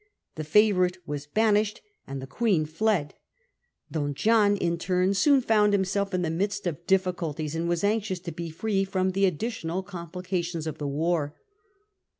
The favourite was banished, and the Queen fled. Don John, in turn, soon found himself in the midst of difficulties, and was anxious to be free from the additional complications of the war.